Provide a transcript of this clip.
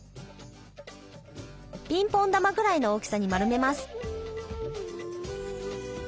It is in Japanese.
ピンポン玉ぐらいの大きさに丸めます。